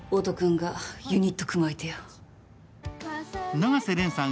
永瀬廉さん